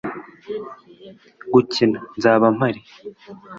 gukina, nzaba mpari